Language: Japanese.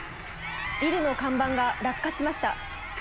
ビルの看板が落下しました。